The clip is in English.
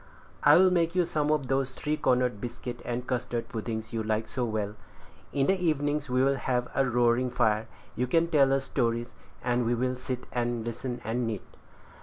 I'll make you some of those three cornered biscuit and custard puddings you like so well. In the evenings we'll have a roaring fire; you can tell stories, and we will sit and listen, and knit.